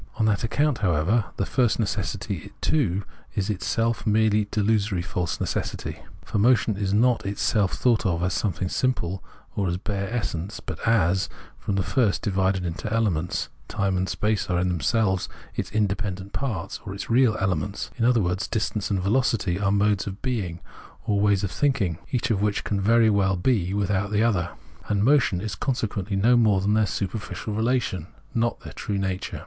On that account, however, that first necessity too is itself a merely delusory false necessity. For motion is not itself thought of as something simple or as bare essence, but as, from the first, divided into elements ; time and space are in themselves its independent parts or its real elements : in other words, distance and velocity are modes of being, or ways of thinking, each of which 148 Phenomenology of Mind can very well be without the other ; and motion is consequently no more than their superficial relation, not their true nature.